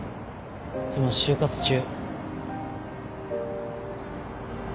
今就活中。